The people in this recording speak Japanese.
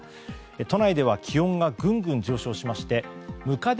都内では気温がぐんぐん上昇しムカデ